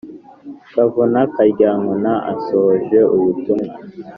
kavuna karyankuna asohoje ubutumwa